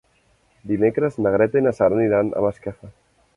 Dimecres na Greta i na Sara aniran a Masquefa.